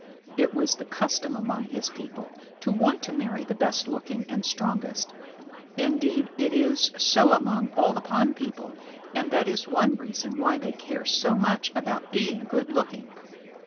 It was the custom among his people to want to marry the best looking and strongest. Indeed it is so among all the pond people, and that is one reason why they care so much about being good looking.